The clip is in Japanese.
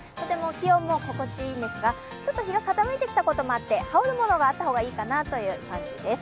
気温も心地いいんですがちょっと日が傾いてきたこともあって羽織るものがあった方がいいかなという感じです。